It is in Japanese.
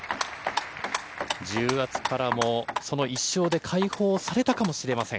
重圧からも、その１勝で解放されたかもしれません。